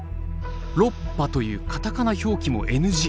「ロッパ」というカタカナ表記もＮＧ。